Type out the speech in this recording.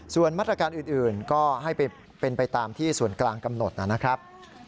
ส่วนมาตรการอื่นก็ให้เป็นไปตามที่ส่วนกลางกำหนดนะครับ